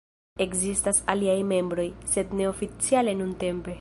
Ekzistas aliaj membroj, sed ne oficiale nuntempe.